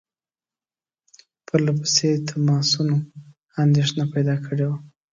پرله پسې تماسونو اندېښنه پیدا کړې وه.